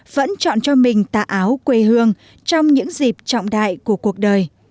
vẫn chọn cho mình tạ áo quê hương trong những dịp trọng đại của cuộc đời